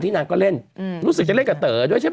นางก็เล่นรู้สึกจะเล่นกับเต๋อด้วยใช่ไหม